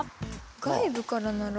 外部からなら。